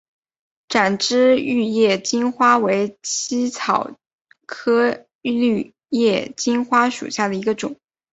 展枝玉叶金花为茜草科玉叶金花属下的一个种。